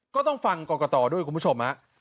ก็ต้องฟังกรกตด้วยคุณผู้ชมฮะ